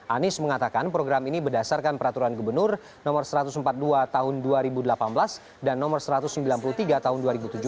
anies mengatakan program ini berdasarkan peraturan gubernur no satu ratus empat puluh dua tahun dua ribu delapan belas dan nomor satu ratus sembilan puluh tiga tahun dua ribu tujuh belas